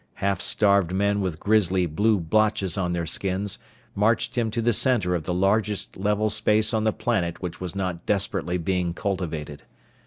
Half starved men with grisly blue blotches on their skins, marched him to the center of the largest level space on the planet which was not desperately being cultivated.